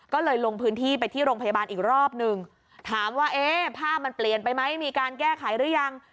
ก็เลยลงพื้นที่ไปที่โรงพยาบาลอีกรอบหนึ่งถามว่าเอ๊ะภาพมันเปลี่ยนไปไหมมีการแก้ไขหรือยัง